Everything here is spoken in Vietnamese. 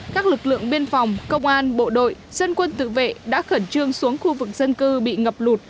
các lực lượng biên phòng công an bộ đội dân quân tự vệ đã khẩn trương xuống khu vực dân cư bị ngập lụt